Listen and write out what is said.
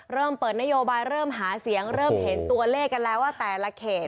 เริ่มเปิดนโยบายเริ่มหาเสียงเริ่มเห็นตัวเลขกันแล้วว่าแต่ละเขต